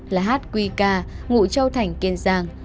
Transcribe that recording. là hát quy ca ngụ châu thành kiên giang